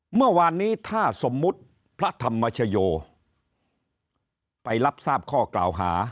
เมื่อวานนี้ถ้าสมมุติพระธรรมชโยไปรับทราบข้อกล่าวหา